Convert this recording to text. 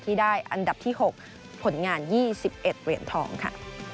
ได้อันดับที่๖ผลงาน๒๑เหรียญทองค่ะ